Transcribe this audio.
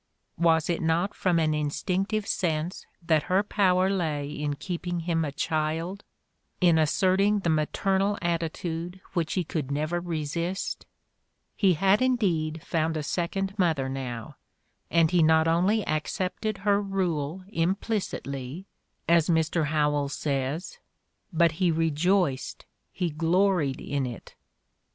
Was it not from an instinctive sense that her power lay in keeping him a child, in asserting the maternal atti tude which he could never resist? He had indeed found a second mother now, and he "not only accepted her rule implicitly," as Mr. Howells says, "but he re joiced, he fj'loried in it."